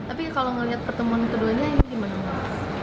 tapi kalau ngelihat pertemuan itu dua ini ini gimana